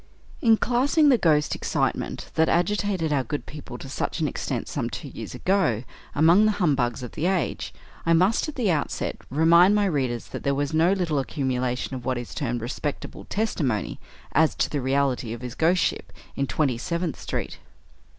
In classing the ghost excitement that agitated our good people to such an extent some two years ago among the "humbugs" of the age, I must, at the outset, remind my readers that there was no little accumulation of what is termed "respectable" testimony, as to the reality of his ghostship in Twenty seventh street.